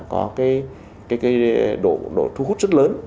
có cái độ thu hút rất lớn